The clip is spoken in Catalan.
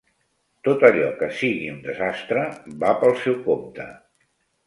Tot allò que sigui un desastre, va pel seu compte.